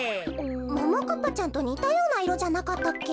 ももかっぱちゃんとにたようないろじゃなかったっけ。